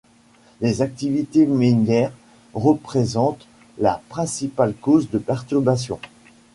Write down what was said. Les activités minières représentent la principale cause de perturbation.